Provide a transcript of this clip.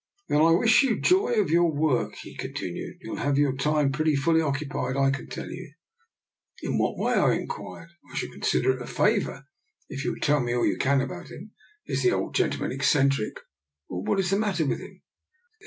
" Then I wish you joy of your work," he continued. " You'll have your time pretty fully occupied, I can tell you." " In what way? " I inquired. " I shall DR. NIKOLA'S EXPERIMENT. 75 consider it a favour if you will tell me all you can about him. Is the old gentleman eccen tric, or what is the matter with him?